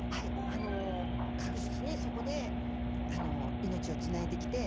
あの確実にそこで命をつないできて。